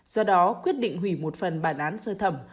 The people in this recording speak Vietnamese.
do đó quyết định hủy một phần bản án sơ thẩm